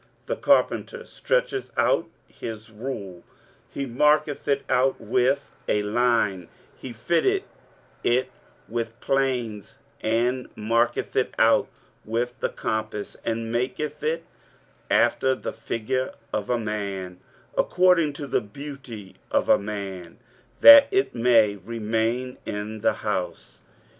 23:044:013 The carpenter stretcheth out his rule; he marketh it out with a line; he fitteth it with planes, and he marketh it out with the compass, and maketh it after the figure of a man, according to the beauty of a man; that it may remain in the house.